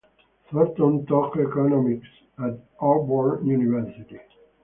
Thornton taught economics at Auburn University.